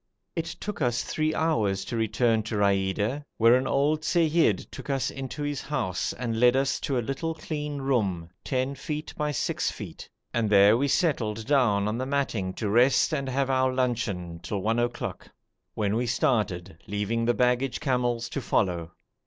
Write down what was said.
It took us three hours to return to Raida, where an old seyyid took us into his house and led us to a little clean room, 10 feet by 6 feet, and there we settled down on the matting to rest and have our luncheon till one o'clock, when we started, leaving the baggage camels to follow.